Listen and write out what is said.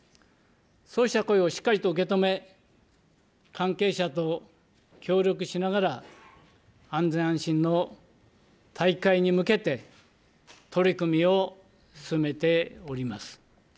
そうした声をしっかりと受け止め、関係者と協力しながら、安全安心の大会に向けて、取り組みを進めております。